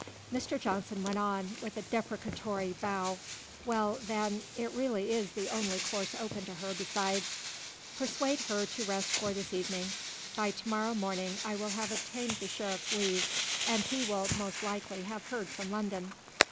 Mr. Johnson went on, with a deprecatory bow: "Well, then it really is the only course open to her besides persuade her to rest for this evening. By to morrow morning I will have obtained the sheriff's leave, and he will most likely have heard from London."